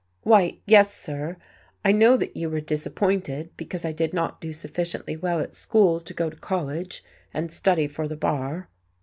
"Why, yes, sir. I know that you were disappointed because I did not do sufficiently well at school to go to college and study for the bar."